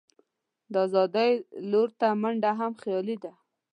د آزادۍ لور ته منډه هم خیالي ده.